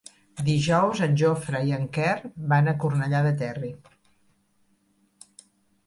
Dijous en Jofre i en Quer van a Cornellà del Terri.